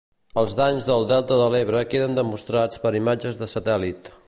Els danys al delta de l'Ebre queden demostrats per imatges de satèl·lit.